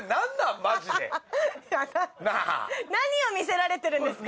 何を見せられてるんですか？